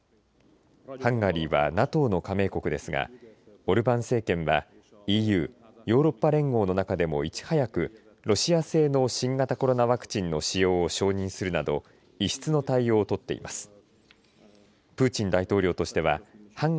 ハンガリーはＮＡＴＯの加盟国ですがオルバン政権はＥＵ、ヨーロッパ連合の中でもいち早くロシア製の新型コロナワクチンの使用を承認するなど異質の対応をとっています。